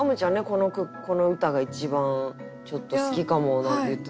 この句この歌が一番ちょっと好きかもなんて言ってたけど。